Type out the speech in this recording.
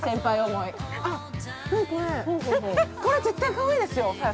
これ、絶対かわいいですよ。